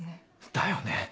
だよね。